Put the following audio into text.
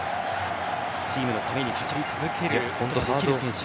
チームのために走り続けるという選手。